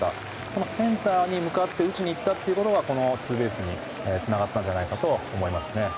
このセンターに向かって打ちにいったのがこのツーベースにつながったんじゃないかと思いますね。